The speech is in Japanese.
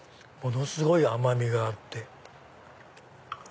ものすごい甘みがあって。